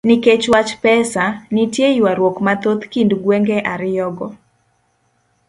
Nikech wach pesa, nitie ywaruok mathoth kind gwenge ariyogo.